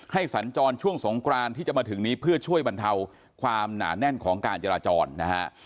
สัญจรช่วงสงกรานที่จะมาถึงนี้เพื่อช่วยบรรเทาความหนาแน่นของการจราจรนะฮะ